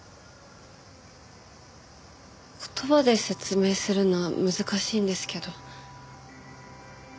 言葉で説明するのは難しいんですけど。